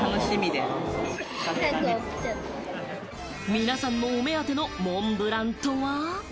皆さんのお目当てのモンブランとは？